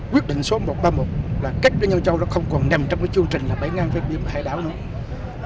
quyết định số một trăm ba mươi một là cách với nhân châu nó không còn nằm trong cái chương trình là bãi ngang với biên bộ hải đảo nữa